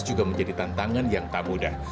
juga menjadi tantangan yang tak mudah